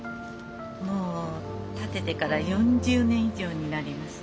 もう建ててから４０年以上になります。